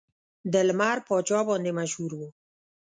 د لمر پاچا باندې مشهور و.